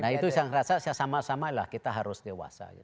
nah itu yang saya rasa sama sama kita harus dewasa